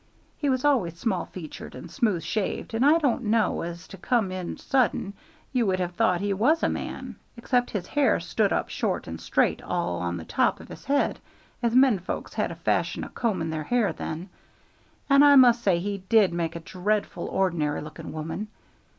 He was always small featured and smooth shaved, and I don' know as, to come in sudden, you would have thought he was a man, except his hair stood up short and straight all on the top of his head, as men folks had a fashion o' combing their hair then, and I must say he did make a dreadful ordinary looking woman.